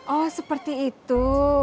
oh seperti itu